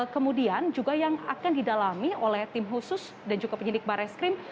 kemudian juga yang akan didalami oleh tim khusus dan juga penyidik barreskrim